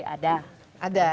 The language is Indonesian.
goreng sendiri ada